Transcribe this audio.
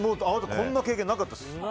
こんな経験なかったです。